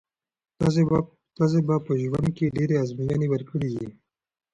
تاسي به په ژوند کښي ډېري آزمویني ورکړي يي.